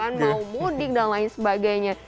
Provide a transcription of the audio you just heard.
kemudian mau mudik dan lain sebagainya